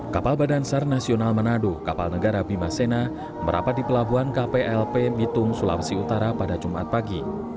kapal badan sar nasional manado kapal negara bima sena merapat di pelabuhan kplp mitung sulawesi utara pada jumat pagi